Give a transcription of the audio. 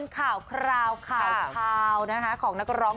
ข่าวข่าวข่าวข่าวขนักร้อง